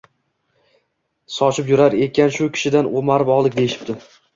sochib yurgan ekan, shu kishidan o’marib oldik”– deyishibdi.